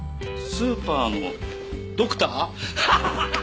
スーパーのドクター？